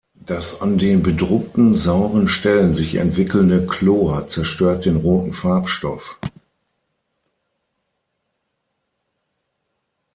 Das an den bedruckten sauren Stellen sich entwickelnde Chlor zerstört den roten Farbstoff.